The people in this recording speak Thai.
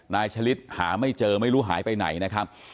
ฉลิดหาไม่เจอไม่รู้หายไปไหนนะครับ